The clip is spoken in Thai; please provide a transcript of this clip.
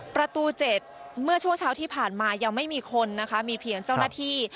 ประตู๗เมื่อช่วงเช้าที่ผ่านมายังไม่มีคนนะคะมีเพียงเจ้าหน้าที่